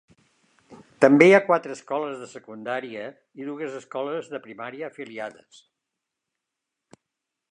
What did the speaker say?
També hi ha quatre escoles de secundària i dues escoles de primària afiliades.